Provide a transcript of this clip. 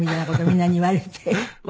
みんなに言われて。